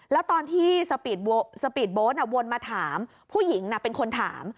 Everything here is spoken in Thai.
แล้วตอนที่สปีดโบ๊ทวนมาถามผู้หญิงเป็นคนถาม